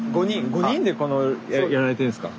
５人でこのやられてるんですか？